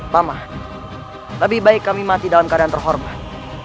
pamah lebih baik kami mati dalam keadaan terhormat